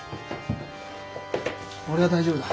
俺は大丈夫だ。